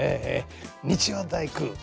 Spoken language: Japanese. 日曜大工